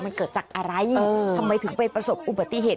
มันเกิดจากอะไรทำไมถึงไปประสบอุบัติเหตุ